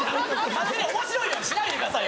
勝手におもしろいようにしないでください